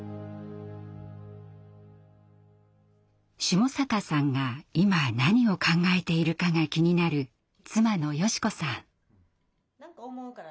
下坂さんが今何を考えているかが気になる妻の佳子さん。